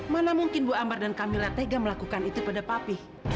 mana mungkin bu ambar dan kamila tega melakukan itu pada papi